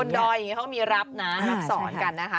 บนดอยเขามีลับมับสอนกันนะคะ